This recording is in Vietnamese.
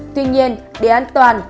tuy nhiên để an toàn